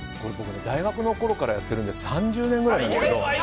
大学のころからやってるので３０年ぐらいなんですけど。